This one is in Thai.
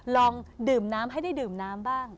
ลองดื่มน้ำให้ได้ดื่มน้ำบ้าง